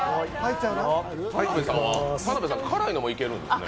田辺さん、辛いのもいけるんですね？